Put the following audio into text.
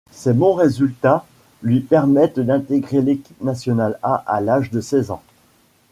Ses bons résultats lui permettent d'intégrer l'équipe nationale A à l'âge de seize ans.